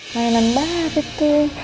malam baru tuh